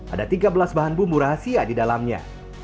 ada tiga belas bahan bumbu rahasia di dalamnya